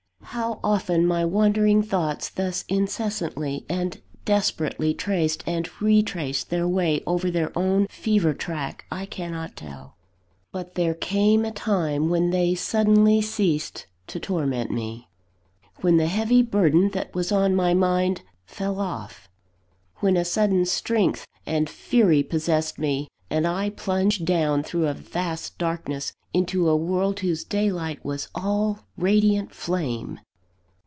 How often my wandering thoughts thus incessantly and desperately traced and retraced their way over their own fever track, I cannot tell: but there came a time when they suddenly ceased to torment me; when the heavy burden that was on my mind fell off; when a sudden strength and fury possessed me, and I plunged down through a vast darkness into a world whose daylight was all radiant flame.